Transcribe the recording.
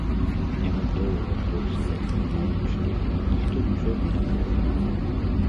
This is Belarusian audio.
Яму доўга плёскалі, моўчкі, ніхто нічога не крыкнуў.